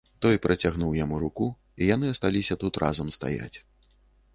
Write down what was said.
Той працягнуў яму руку, і яны асталіся тут разам стаяць.